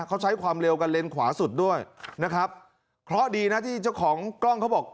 เขาใช้ความเร็วกันเลนขวาสุดด้วยนะครับเคราะห์ดีนะที่เจ้าของกล้องเขาบอก